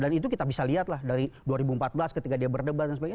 dan itu kita bisa lihat lah dari dua ribu empat belas ketika dia berdebat dan sebagainya